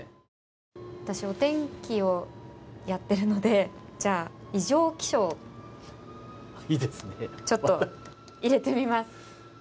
私、お天気をやっているのでじゃあ異常気象とちょっと入れてみます。